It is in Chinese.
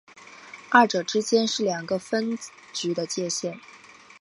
二者之间是两个分局的界线。